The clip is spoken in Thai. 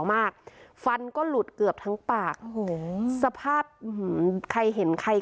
มากฟันก็หลุดเกือบทั้งปากโอ้โหสภาพใครเห็นใคร